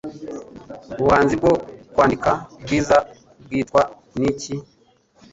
Ubuhanzi bwo Kwandika Bwiza Bwitwa Niki?